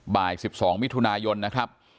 บ่าย๑๒มิถุนายนนะครับ